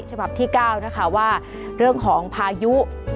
ฉบับที่๙นะคะว่าเรื่องของพายุ